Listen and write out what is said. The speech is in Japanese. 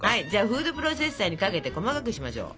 フードプロセッサーにかけて細かくしましょう。